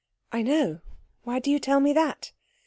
"I know. Why do you tell me that?"